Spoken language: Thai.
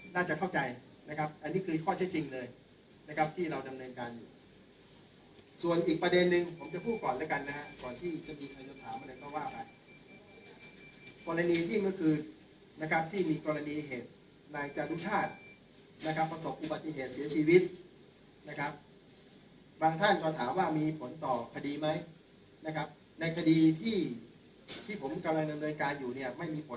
น่าจะเข้าใจนะครับอันนี้คือข้อเท็จจริงเลยนะครับที่เราดำเนินการอยู่ส่วนอีกประเด็นนึงผมจะพูดก่อนแล้วกันนะฮะก่อนที่จะมีใครจะถามอะไรก็ว่ากันกรณีที่เมื่อคืนนะครับที่มีกรณีเหตุนายจารุชาตินะครับประสบอุบัติเหตุเสียชีวิตนะครับบางท่านก็ถามว่ามีผลต่อคดีไหมนะครับในคดีที่ที่ผมกำลังดำเนินการอยู่เนี่ยไม่มีผล